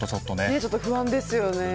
ちょっと不安ですよね。